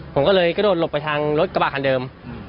ผมก็เลยกระโดดหลบไปทางรถกระบะคันเดิม